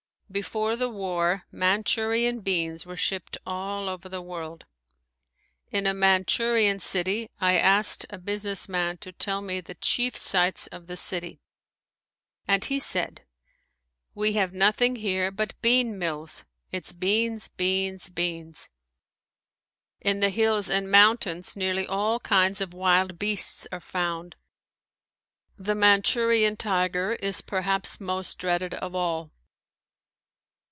Before the war Manchurian beans were shipped all over the world. In a Manchurian city I asked a business man to tell me the chief sights of the city and he said: "We have nothing here but bean mills. It is beans, beans, beans." In the hills and mountains nearly all kinds of wild beasts are found. The Manchurian tiger is perhaps most dreaded of all.